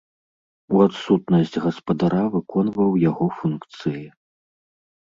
У адсутнасць гаспадара выконваў яго функцыі.